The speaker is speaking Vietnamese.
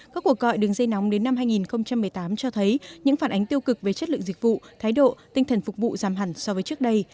các cuộc gọi đường dây nóng đến năm hai nghìn một mươi tám cho thấy những phản ánh tiêu cực về chất lượng dịch vụ thái độ tinh thần phục vụ giảm hẳn so với trước đây